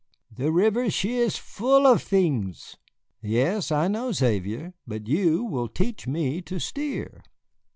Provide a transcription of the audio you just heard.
The river, she is full of things." "Yes, I know, Xavier, but you will teach me to steer."